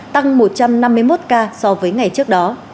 tăng một trăm năm mươi một ca so với ngày trước đó